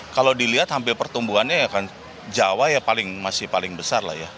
kalau dilihat hampir pertumbuhannya ya kan jawa ya masih paling besar lah ya